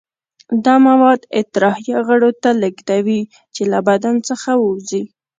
دا مواد اطراحیه غړو ته لیږدوي چې له بدن څخه ووځي.